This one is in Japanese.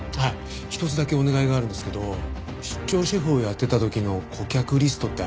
一つだけお願いがあるんですけど出張シェフをやってた時の顧客リストってありますか？